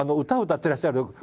歌を歌ってらっしゃるので。